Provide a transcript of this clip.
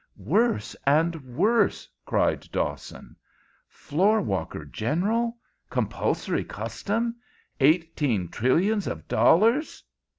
"Worse and worse!" cried Dawson. "Floorwalker General compulsory custom eighteen trillions of dollars!"